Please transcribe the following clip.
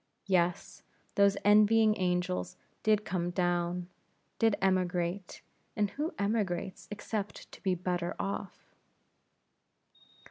Yes, those envying angels did come down; did emigrate; and who emigrates except to be better off?